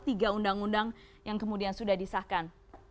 tiga undang undang yang kemudian sudah disahkan